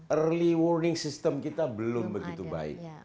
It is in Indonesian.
early warning system kita belum begitu baik